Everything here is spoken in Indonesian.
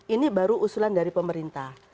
ini baru usulan dari pemerintah